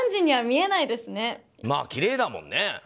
きれいだもんね。